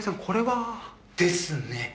これは。ですね。